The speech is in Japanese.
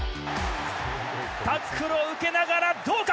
タックルを受けながらどうか？